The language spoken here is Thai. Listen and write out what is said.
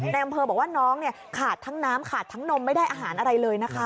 ในอำเภอบอกว่าน้องเนี่ยขาดทั้งน้ำขาดทั้งนมไม่ได้อาหารอะไรเลยนะคะ